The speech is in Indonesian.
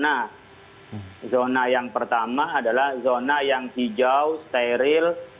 nah zona yang pertama adalah zona yang hijau steril